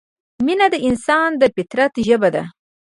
مینه د انسان د فطرت ژبه ده.